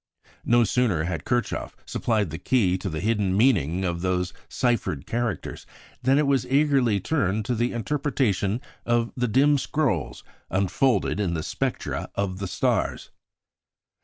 No sooner had Kirchhoff supplied the key to the hidden meaning of those ciphered characters than it was eagerly turned to the interpretation of the dim scrolls unfolded in the spectra of the stars.